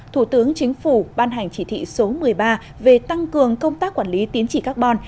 thủ tướng chính phủ ban hành chỉ thị số một mươi ba về tăng cường công tác quản lý tiến trị carbon